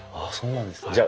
あそうなんですか。